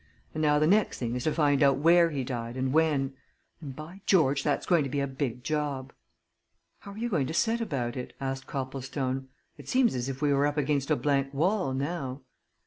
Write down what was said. And now the next thing is to find out where he died and when. And by George, that's going to be a big job!" "How are you going to set about it?" asked Copplestone. "It seems as if we were up against a blank wall, now."